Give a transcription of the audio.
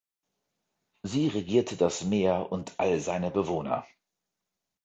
Sie regierte das Meer und all seine Bewohner.